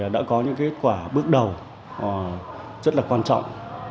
đã có những quả bước đầu rất quan trọng